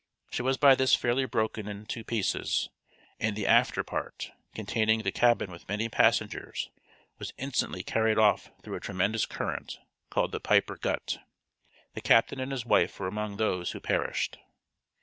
She was by this fairly broken in two pieces, and the after part, containing the cabin with many passengers was instantly carried off through a tremendous current, called the Piper Gut. The captain and his wife were among those who perished.